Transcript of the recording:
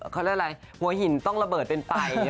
เขาเรียกอะไรหัวหินต้องระเบิดเป็นไป